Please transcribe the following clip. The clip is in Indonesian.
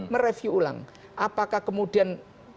mereview ulang apakah kemudian